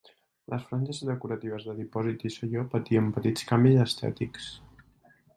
Les franges decoratives de dipòsit i selló patien petits canvis estètics.